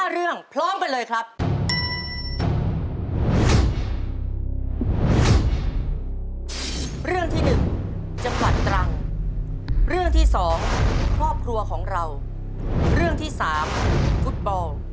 เรื่องพร้อมกันเลยครับ